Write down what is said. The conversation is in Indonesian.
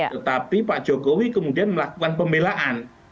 tetapi pak jokowi kemudian melakukan pembelaan